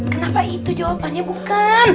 kenapa itu jawabannya bukan